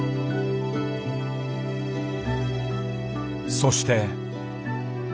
そして。